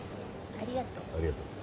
ありがとう。